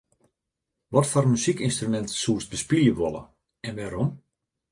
Watfoar muzykynstrumint soest bespylje wolle en wêrom?